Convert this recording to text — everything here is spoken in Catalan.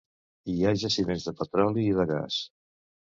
Hi ha jaciments de petroli i de gas.